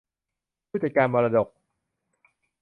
ผู้จัดการมรดก